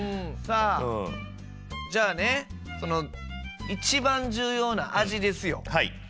さあじゃあね一番重要な味ですよ。